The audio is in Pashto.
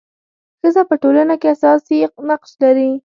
ښځه په ټولنه کي اساسي نقش لري.